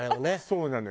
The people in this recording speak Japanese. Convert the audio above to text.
そうなの。